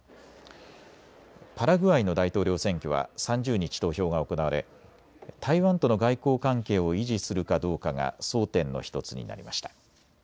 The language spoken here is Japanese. パラグアイの大統領選挙は３０日、投票が行われ台湾との外交関係を維持するかどうかが争点の１つになりました。